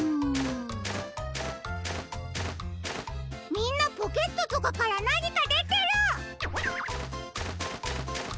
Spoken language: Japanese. みんなポケットとかからなにかでてる！